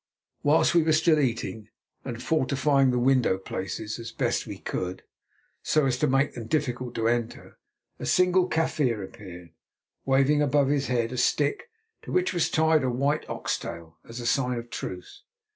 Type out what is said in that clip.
Whilst we were still eating and fortifying the window places as best we could, so as to make them difficult to enter, a single Kaffir appeared, waving above his head a stick to which was tied a white ox tail as a sign of truce.